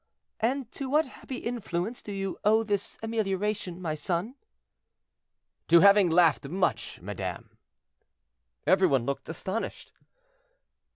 "And to what happy influence do you owe this amelioration, my son?" "To having laughed much, madame." Every one looked astonished.